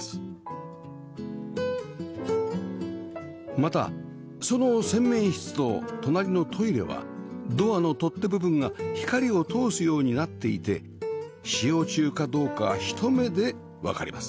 またその洗面室と隣のトイレはドアの取っ手部分が光を通すようになっていて使用中かどうか一目でわかります